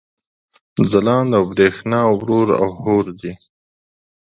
ځلاند او برېښنا رور او حور دي